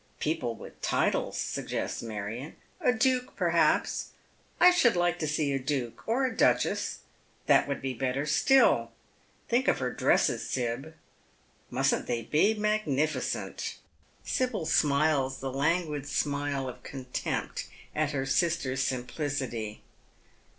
" People with titles," suggests Marion ;" a duke perhaps. I should like to see a duke — or a duchess. That would be better still. Think of her dresses, Sib. Mustn't they be magnificent!" Sibyl smiles the languid smile of contempt at her sister's sim plicity.